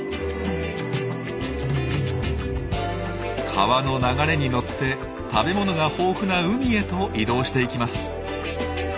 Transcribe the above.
川の流れに乗って食べ物が豊富な海へと移動していきます。